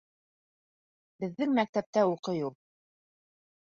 Беҙҙең мәктәптә уҡый ул!..